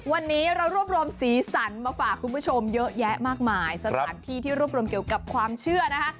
วันนี้เรารวบรวมสีสันมาฝากคุณผู้ชมเยอะแยะมากมายสถานที่ที่รวบรวมเกี่ยวกับความเชื่อนะคะ